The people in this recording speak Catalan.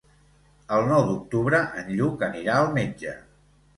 El nou d'octubre en Lluc anirà al metge.